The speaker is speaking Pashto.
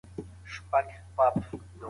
نیک ګمان ولرئ.